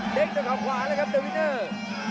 เด็กมือเขาขวาและกับวินเตอร์